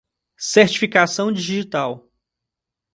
Certificação digital